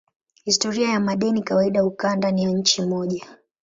Historia ya madeni kawaida hukaa ndani ya nchi moja.